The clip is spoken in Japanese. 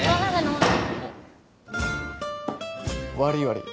悪い悪い。